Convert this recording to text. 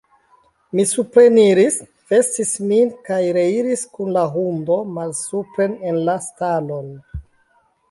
Mi supreniris, vestis min kaj reiris kun la hundo malsupren en la stalon.